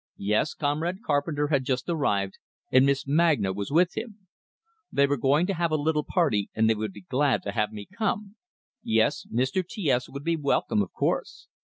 Yes, Comrade Carpenter had just arrived, and Miss Magna was with him. They were going to have a little party, and they would be glad to have me come. Yes, Mr. T S would be welcome, of course.